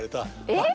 えっ？